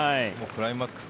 クライマックス